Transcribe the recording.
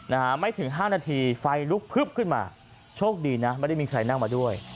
นะฮะไม่ถึงห้านาทีไฟลุกพึบขึ้นมาโชคดีนะไม่ได้มีใครนั่งมาด้วย